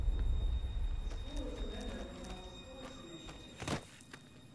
The school is a member of the Model Schools initiative.